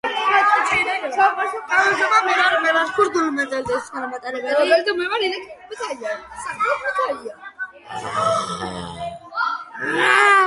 საორკესტრო პარტიები შექმნილია მაიკლ კემენის მიერ, რომელიც ასევე დირიჟორობდა ორკესტრს კონცერტის განმავლობაში.